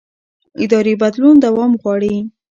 اداري بدلون دوام غواړي